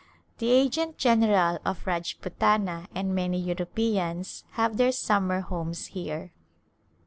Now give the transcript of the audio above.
The Agent General of Rajputana and many Europeans have their summer homes here.